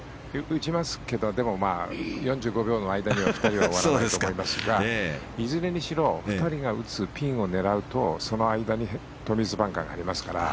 打ちますけどでも、４５秒の間には２人は終わらないと思いますがいずれにしろ２人が打つピンを狙うとその間にトミーズバンカーがありますから。